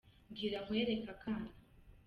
mbwira nkwereke akana